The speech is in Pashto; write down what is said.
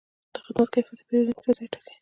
د خدمت کیفیت د پیرودونکي رضایت ټاکي.